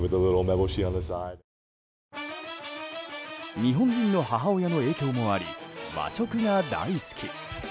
日本人の母親の影響もあり和食が大好き。